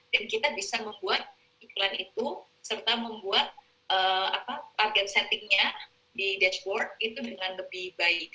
dan kita bisa membuat iklan itu serta membuat target settingnya di dashboard itu dengan lebih baik